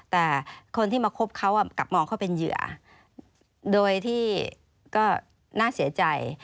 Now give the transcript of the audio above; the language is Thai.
แต่คนที่มาคบเขากลับมองเขาเป็นเหยื่อโดยที่ก็น่าเสียใจ